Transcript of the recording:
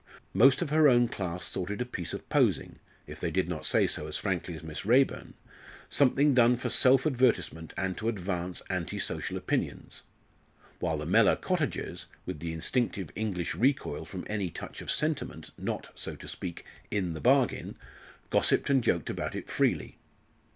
Most of her own class thought it a piece of posing, if they did not say so as frankly as Miss Raeburn something done for self advertisement and to advance anti social opinions; while the Mellor cottagers, with the instinctive English recoil from any touch of sentiment not, so to speak, in the bargain, gossiped and joked about it freely.